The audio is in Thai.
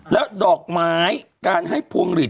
แล้วดอกไม้การให้พวงหลีด